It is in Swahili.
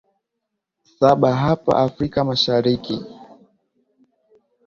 saba hapa afrika mashariki